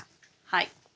はい。